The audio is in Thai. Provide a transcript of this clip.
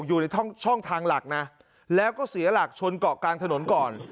อยู่ในช่องทางหลักนะแล้วก็เสียหลักชนเกาะกลางถนนก่อน